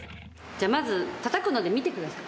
まず、たたくので見てください。